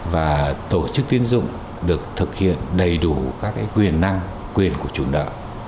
và tổ chức tiến dụng được thực hiện đầy đủ các quyền năng quyền của chủ nợ